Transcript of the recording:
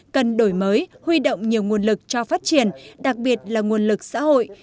cần đổi mới huy động nhiều nguồn lực cho phát triển đặc biệt là nguồn lực xã hội